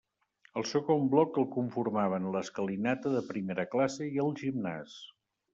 El segon bloc el conformaven l'escalinata de primera classe i el gimnàs.